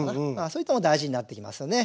そういったのも大事になってきますよね。